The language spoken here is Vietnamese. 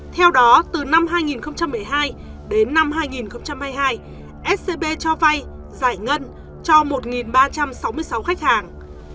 theo đó từ năm hai nghìn một mươi hai đến năm hai nghìn hai mươi hai scb cho vay giải ngân cho một ba trăm sáu mươi sáu khách hàng